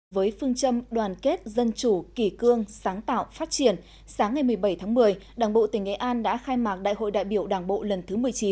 với phương châm đoàn kết dân chủ kỳ cương sáng tạo phát triển sáng ngày một mươi bảy tháng một mươi đảng bộ tỉnh nghệ an đã khai mạc đại hội đại biểu đảng bộ lần thứ một mươi chín